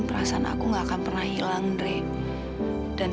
belum nanti itu nanti nanti masih ada